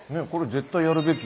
絶対やるべき。